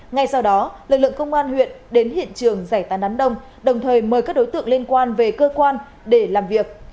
ngay sau đó lực lượng công an huyện đến hiện trường giải tàn đám đông đồng thời mời các đối tượng liên quan về cơ quan để làm việc